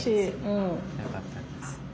うん。よかったです。